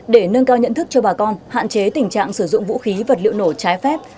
để nâng cao nhận thức cho bà con hạn chế tình trạng sử dụng vũ khí vật liệu nổ trái phép